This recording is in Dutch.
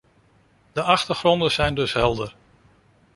De achtergronden zijn dus helder.